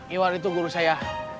iwan itu guru saya